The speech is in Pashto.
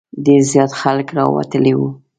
ډېر زیات خلک راوتلي وو.